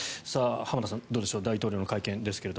浜田さん、どうでしょう大統領の会見ですが。